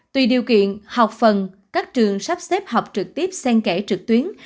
tùy điều kiện học phần các trường sắp xếp học trực tiếp sen kẻ trực tuyến